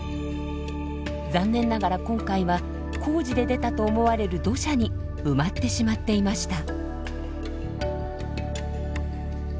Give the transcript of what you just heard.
残念ながら今回は工事で出たと思われる土砂に埋まってしまっていました。